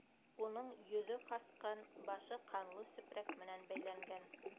Уның йөҙө ҡасҡан, башы ҡанлы сепрәк менән бәйләнгән.